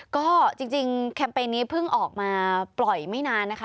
ก็จริงแคมเปญนี้เพิ่งออกมาปล่อยไม่นานนะคะ